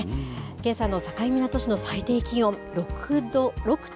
けさの境港市の最低気温、６．３度。